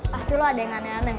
pasti lo ada yang aneh aneh